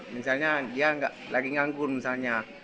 misalnya dia lagi nganggur misalnya